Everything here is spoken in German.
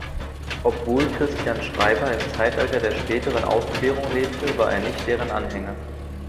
Obwohl Christian Schreiber im Zeitalter der späteren Aufklärung lebte, war er nicht deren Anhänger.